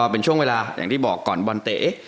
เป็นช่วงเวลาอย่างที่บอกก่อนบอลเตะ